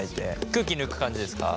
空気抜く感じですか？